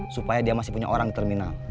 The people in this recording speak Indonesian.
supaya dia masih punya orang di terminal